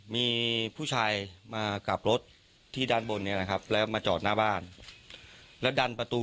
มีผู้ชายมากลับรถที่ด้านบนเนี่ยนะครับแล้วมาจอดหน้าบ้านแล้วดันประตู